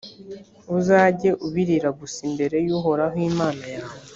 uzajye ubirira gusa imbere y’uhoraho imana yawe,